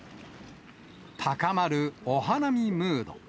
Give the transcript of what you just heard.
高まるお花見ムード。